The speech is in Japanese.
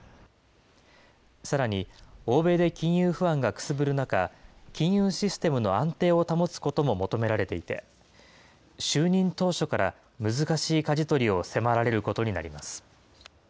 さらに、欧米で金融不安がくすぶる中、金融システムの安定を保つことも求められていて、就任当初から難しいかじ取りを迫られることになります。